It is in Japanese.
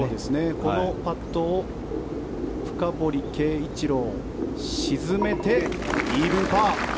このパットを深堀圭一郎、沈めてイーブンパー。